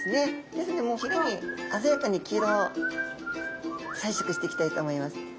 ですのでもうひれに鮮やかに黄色を彩色していきたいと思います。